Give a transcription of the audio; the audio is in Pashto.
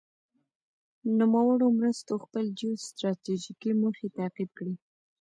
نوموړو مرستو خپل جیو ستراتیجیکې موخې تعقیب کړې.